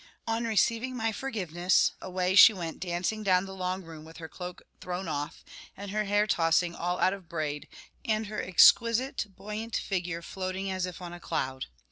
On receiving my forgiveness, away she went dancing down the long room, with her cloak thrown off, and her hair tossing all out of braid, and her exquisite buoyant figure floating as if on a cloud.